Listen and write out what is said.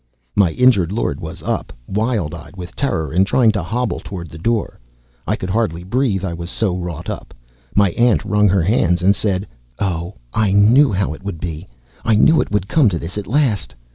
My injured lord was up, wild eyed with terror, and trying to hobble toward the door. I could hardly breathe, I was so wrought up. My aunt wrung her hands, and said: "Oh, I knew how it would be; I knew it would come to this at last!